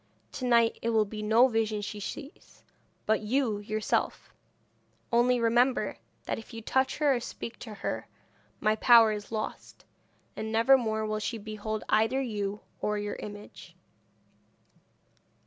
To night it will be no vision she sees, but you yourself; only remember, that if you touch her or speak to her my power is lost, and never more will she behold either you or your image.'